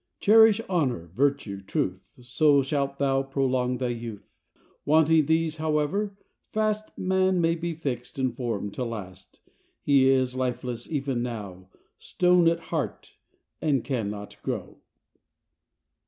Cherish honour, virtue, truth, So shalt thou prolong thy youth. Wanting these, however fast Man be fix'd and form'd to last, He is lifeless even now, Stone at heart, and cannot grow.